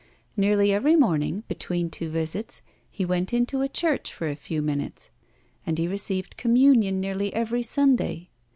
Nearly every morning, between two visits, he went into a church for a few minutes, and he received communion nearly every Sunday.